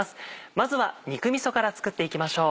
まずは肉みそから作っていきましょう。